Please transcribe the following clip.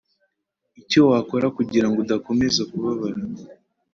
icyo wakora kugira ngo udakomeza kubabara